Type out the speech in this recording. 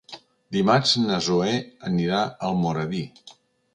Dimarts na Zoè anirà a Almoradí.